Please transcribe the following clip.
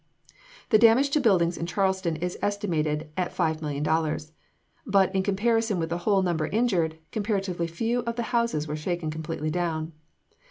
The damage to buildings in Charleston is estimated at $5,000,000. But in comparison with the whole number injured, comparatively few of the houses were shaken completely down.